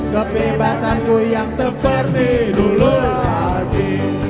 kebebasanku yang seperti dulu lagi